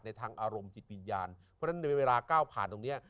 ทางอารมณ์จิตวิญญาณเพราะฉะนั้นในเวลาก้าวผ่านตรงนี้